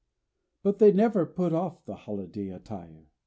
But they never put off the holiday attire.